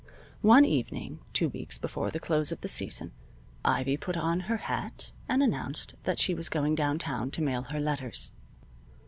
One evening, two weeks before the close of the season, Ivy put on her hat and announced that she was going downtown to mail her letters.